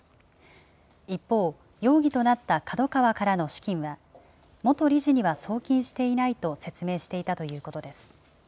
一方、容疑となったＫＡＤＯＫＡＷＡからの資金は、元理事には送金していないと説明していたということです。